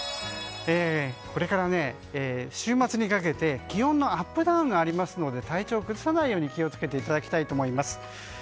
これから週末にかけて気温のアップダウンがありますので体調を崩さないように気を付けていただきたいと思います。